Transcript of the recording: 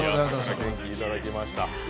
元気いただきました。